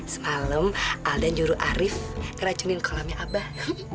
semalem alda nyuruh arif ngeracunin kolamnya abah